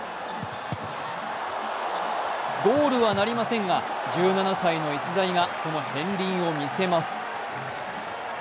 ゴールはなりませんが１７歳の逸材がその片りんを見せます。